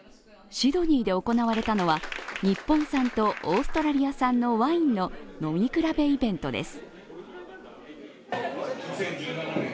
シドニーで行われたのは日本産とオーストラリア産のワインの飲み比べイベントです。